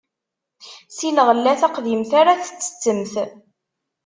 Si lɣella taqdimt ara tettettem.